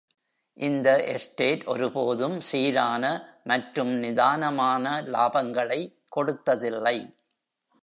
இந்த எஸ்டேட் ஒருபோதும் சீரான மற்றும் நிதானமான லாபங்களை கொடுத்ததில்லை.